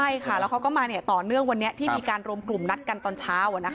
ใช่ค่ะแล้วเขาก็มาต่อเนื่องวันนี้ที่มีการรวมกลุ่มนัดกันตอนเช้า